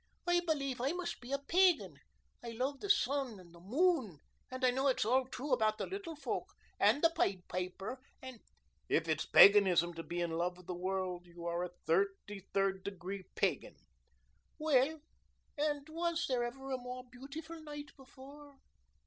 "I believe I must be a pagan. I love the sun and the moon and I know it's all true about the little folk and the pied piper and " "If it's paganism to be in love with the world, you are a thirty third degree pagan." "Well, and was there ever a more beautiful night before?"